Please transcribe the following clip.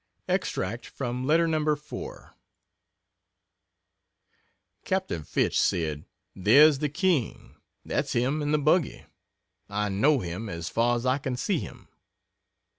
Extract from letter No. 4: Cap. Fitch said "There's the king. That's him in the buggy. I know him as far as I can see him."